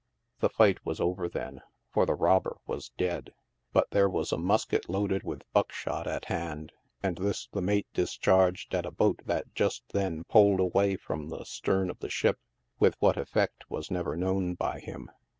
The fight was over then, for the rob ber was dead ; but there was a musket loaded with buckshot at hand, and this the mate discharged at a boat that just then pulled away from the stern of the ship, with what effect was never known by him.